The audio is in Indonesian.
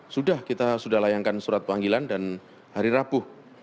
sudah kita sudah layankan surat panggilan dan hari rabu